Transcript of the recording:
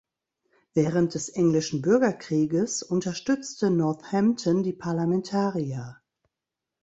Während des englischen Bürgerkrieges unterstützte Northampton die Parlamentarier.